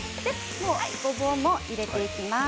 ごぼうも入れていきます。